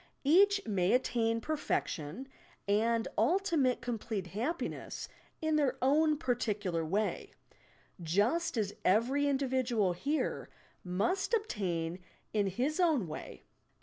Each may attain perfection and ultimate complete happiness in their own particular way, — just as every individual here must obtain it in his own way.